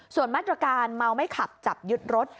ส่วนมาตรการเมาไม่ขับจับยึดรถ